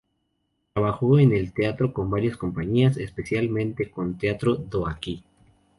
Trabajó en el teatro con varias compañías, especialmente con Teatro do Aquí.